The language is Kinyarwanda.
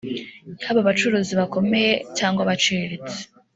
yaba abacuruzi bakomeye cyangwa abaciriritse